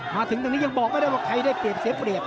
มาถึงตรงนี้ยังบอกไม่ได้ว่าใครได้เปรียบเสียเปรียบ